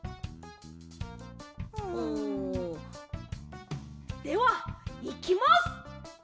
ん？ではいきます。